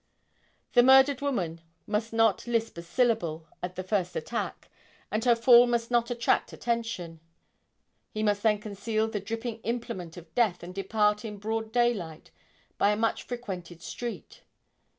The murdered woman must not lisp a syllable at the first attack, and her fall must not attract attention. He must then conceal the dripping implement of death and depart in broad daylight by a much frequented street.